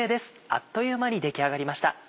あっという間に出来上がりました。